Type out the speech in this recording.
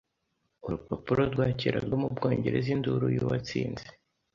Urupapuro rwa kera rwo mu Bwongereza Induru Yuwatsinze